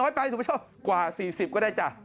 น้อยไปสุมช่องกว่า๔๐ก็ได้จ้ะ